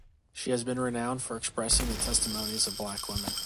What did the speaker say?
She has been renowned for expressing the testimonies of black women.